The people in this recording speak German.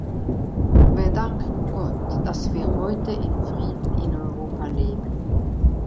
Wir danken Gott, dass wir heute in Frieden in Europa leben.